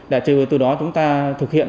để từ đó chúng ta thực hiện